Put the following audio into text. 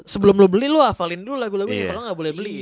sebelum lu beli lu hafalin dulu lagu lagunya kalo lu nggak boleh beli